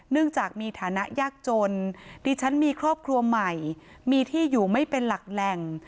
จากมีฐานะยากจนดิฉันมีครอบครัวใหม่มีที่อยู่ไม่เป็นหลักแหล่ง